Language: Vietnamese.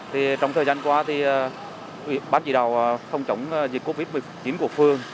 thì trong thời gian qua thì quỷ bán chỉ đào phòng chống dịch covid một mươi chín của phương